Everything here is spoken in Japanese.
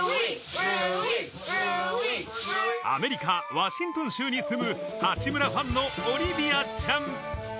アメリカ・ワシントン州に住む、八村ファンのオリビアちゃん。